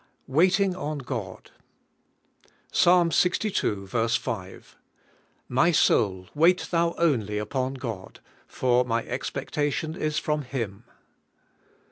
WAITING ON GOD III. Psalms 62 » 5, — My soul, wait thou only upon God, for my expectation is from Him.